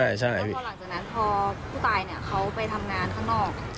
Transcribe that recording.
แล้วพอหลังจากนั้นพอผู้ตายเขาไปทำงานข้างนอก